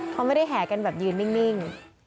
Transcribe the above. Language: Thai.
เขาไม่ได้แห่กันแบบยืนนิ่ง